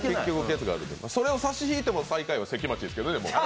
それを差し引いても最下位は関町ですけどね。